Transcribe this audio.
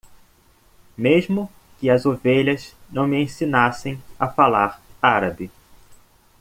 Mesmo que as ovelhas não me ensinassem a falar árabe.